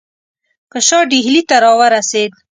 که شاه ډهلي ته را ورسېد.